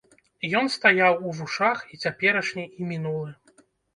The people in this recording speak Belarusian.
Ён стаяў у вушах, і цяперашні і мінулы.